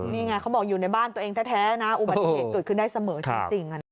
นี่ไงเขาบอกอยู่ในบ้านตัวเองแท้นะอุบัติเหตุเกิดขึ้นได้เสมอจริง